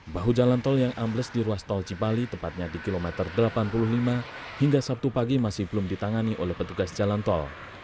bahu jalan tol yang ambles di ruas tol cipali tepatnya di kilometer delapan puluh lima hingga sabtu pagi masih belum ditangani oleh petugas jalan tol